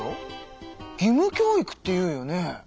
義務教育っていうよね。